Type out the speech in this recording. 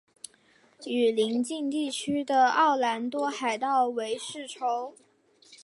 与邻近地区的奥兰多海盗为世仇。